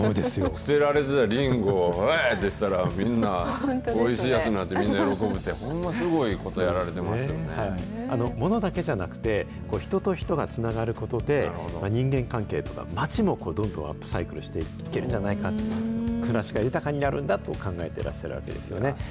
捨てられてたりんごをうぇーってしたら、おいしいやつになって、みんな喜ぶって、ほんますごいこ物だけじゃなくて、人と人がつながることで、人間関係とか、街もどんどんアップサイクルしていけるんじゃないかって、暮らしが豊かになるんだと考えてらっしゃるわけですよね。